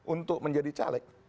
untuk menjadi caleg